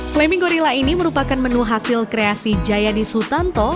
flaming gorilla ini merupakan menu hasil kreasi jaya disutanto